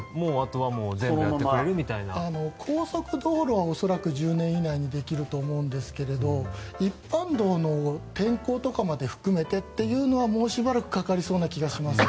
高速道路は恐らく１０年以内にできると思うんですが一般道の天候まで含めてというのはもうしばらくかかりそうな気がしますね。